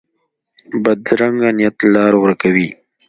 بدرنګه نیت لار ورکه وي